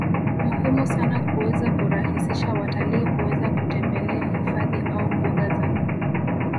muhimu sana kuweza kurahisisha watalii kuweza kutembele hifadhi au mbuga za